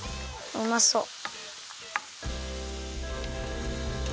うまそう！